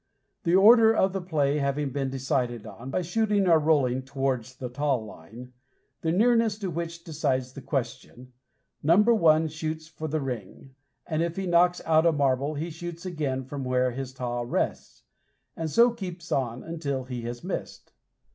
The order of the play having been decided on, by shooting or rolling towards the taw line, the nearness to which decides the question, number one shoots for the ring, and if he knocks out a marble, he shoots again from where his taw rests, and so keeps on until he has missed.